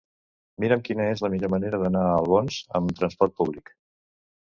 Mira'm quina és la millor manera d'anar a Albons amb trasport públic.